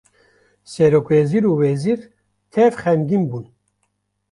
serokwezir û wezîr tev xemgîn bûn